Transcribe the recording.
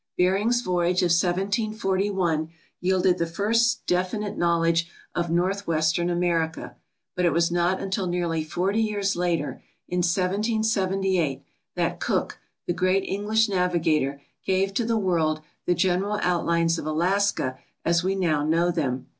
Bering's voyage of 1741 yielded the first definite knowledge of northwestern America, but it was not until nearly 40 years later, in 1778, that Cook, the great English navigator, gave to the world the general outlines of Alaska as we now know them.